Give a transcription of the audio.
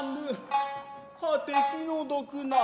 はて気の毒な。